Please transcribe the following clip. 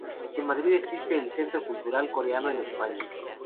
En Madrid existe el Centro Cultural Coreano en España.